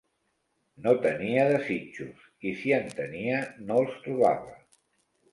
No tenia desitjos, i si en tenia no'ls trobava